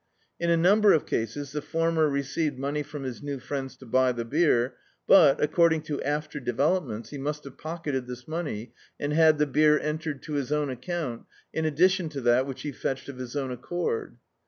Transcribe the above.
In a number of cases the former received money from his new friends to buy the beer, but, according to after developments he must have pocketed this money and had the beer entered to his account, in addition to that which he fetched of his own accord.